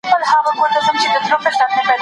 نورو ته د مهربانۍ او ورورولۍ لاس ورکړئ.